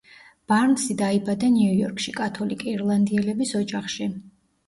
ბარნსი დაიბადა ნიუ-იორკში კათოლიკე ირლანდიელების ოჯახში.